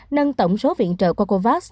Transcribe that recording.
nâng tổng số viện trợ qua covax